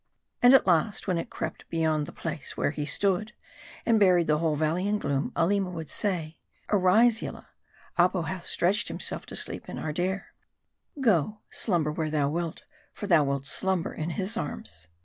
And at last, when it crept beyond the place where he stood, and buried the whole valr ley in gloom ; Aleema would say, "Arise Yillah; Apo hath stretched himself to sleep in Ardair. Go, slumber where thou wilt ; for thou wilt slumber in his arms."